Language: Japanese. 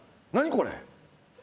何、これ。